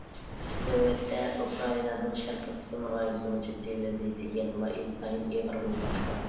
نۆۋەتتە، ئۇكرائىنانىڭ شەرقىي قىسىم رايونىنىڭ جىددىي ۋەزىيىتى يەنىلا ئىنتايىن ئېغىر بولماقتا.